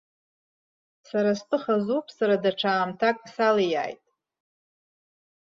Сара стәы хазуп, сара даҽа аамҭак салиааит.